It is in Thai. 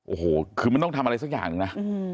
โอ้โหคือมันต้องทำอะไรสักอย่างหนึ่งนะ